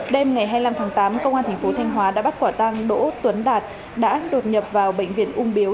đêm ngày hai mươi năm tháng tám công an thành phố thanh hóa đã bắt quả tăng đỗ tuấn đạt đã đột nhập vào bệnh viện ung biếu